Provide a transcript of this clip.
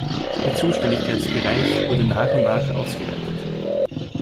Ihr Zuständigkeitsbereich wurde nach und nach ausgeweitet.